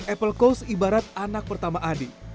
apple coast ibarat anak pertama adi